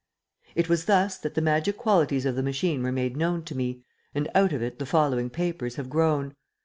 It was thus that the magic qualities of the machine were made known to me, and out of it the following papers have grown.